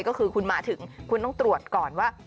ก็คือคุณมาถึงคุณต้องตรวจก่อนว่า